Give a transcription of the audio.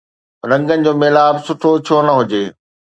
رنگن جو ميلاپ سٺو ڇو نه هجي؟